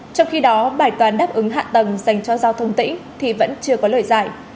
trong khi đó bài toán đáp ứng hạ tầng dành cho giao thông tỉnh thì vẫn chưa có lời giải